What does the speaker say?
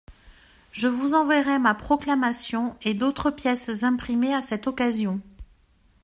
Je vous enverrai ma proclamation et d'autres pièces imprimées à cette occasion.